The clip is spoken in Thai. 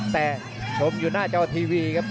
แต่ชมอยู่หน้าจอทีวีครับ